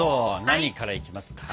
何からいきますか？